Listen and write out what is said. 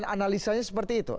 analisanya seperti itu